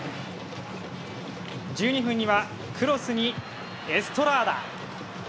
１２分にはクロスにエストラーダ。